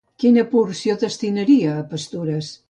Quina porció destinaria a pastures?